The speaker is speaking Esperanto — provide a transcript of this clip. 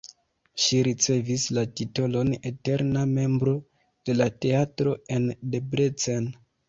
Ŝi ricevis la titolon eterna membro de la teatro en Debrecen.